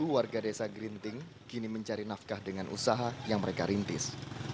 warga desa gerinting kini mencari nafkah dengan usaha yang mereka rintis